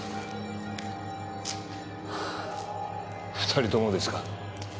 ２人ともですか？